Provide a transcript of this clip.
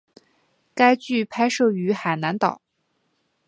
该剧拍摄于海南岛。